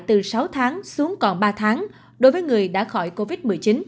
từ sáu tháng xuống còn ba tháng đối với người đã khỏi covid một mươi chín